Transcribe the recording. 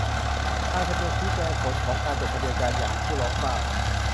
นายทะเบียนชี้แจงผลของการจดทะเบียนการหย่าให้ผู้ร้องทราบ